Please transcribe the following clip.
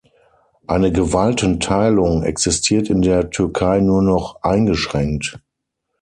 Eine Gewaltenteilung existiert in der Türkei nur noch eingeschränkt.